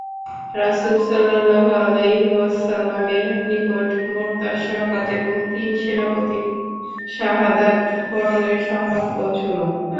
রাসূলুল্লাহ সাল্লাল্লাহু আলাইহি ওয়াসাল্লামের নিকট মূতার সংবাদ এবং তিন সেনাপতির শাহাদাত বরণের সংবাদ পৌঁছল।